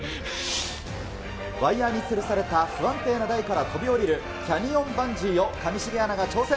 ワイヤーにつるされた不安定な台から飛び降りるキャニオンバンジーを上重アナが挑戦。